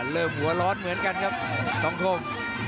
เริ่มหัวร้อนเหมือนกันครับสองคม